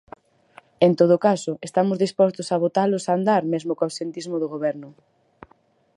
En todo caso, estamos dispostos a botalos a andar mesmo co absentismo do goberno.